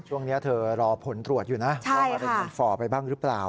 ช่วงนี้เธอรอผลตรวจอยู่นะว่ามันเป็นฝ่อไปบ้างหรือเปล่า